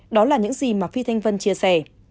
đó là những gì mà phi thanh vân chia sẻ